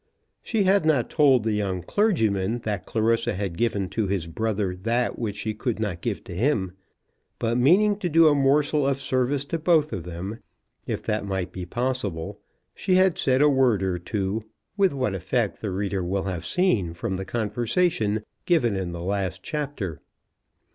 She had not told the young clergyman that Clarissa had given to his brother that which she could not give to him; but, meaning to do a morsel of service to both of them, if that might be possible, she had said a word or two, with what effect the reader will have seen from the conversation given in the last chapter.